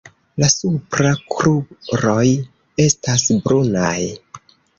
La supra kruroj estas brunaj.